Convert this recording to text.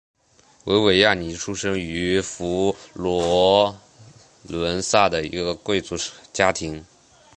维维亚尼出生于佛罗伦萨的一个贵族家庭。